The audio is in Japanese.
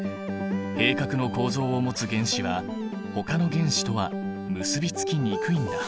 閉殻の構造を持つ原子はほかの原子とは結びつきにくいんだ。